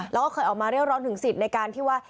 แล้วก็เคยออกมาเรียกร้องถึงสิทธิ์ในการที่ว่า